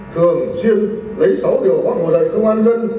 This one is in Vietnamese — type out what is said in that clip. thường xuyên lấy sáu điều hoặc một dạy công an dân